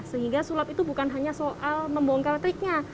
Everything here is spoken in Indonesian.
sehingga sulap itu bukan hanya soal membongkar triknya